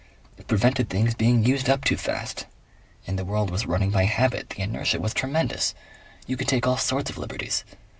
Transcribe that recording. It prevented things being used up too fast. And the world was running by habit; the inertia was tremendous. You could take all sorts of liberties.